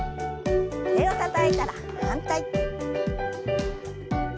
手をたたいたら反対。